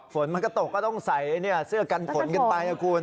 ฝนมันกระตกเต็มซะก็ต้องใสเชื่อกันฝนกันไป